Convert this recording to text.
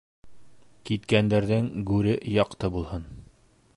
Киткәндәрҙең гүре яҡты булһын